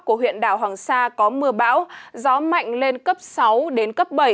của huyện đảo hoàng sa có mưa bão gió mạnh lên cấp sáu đến cấp bảy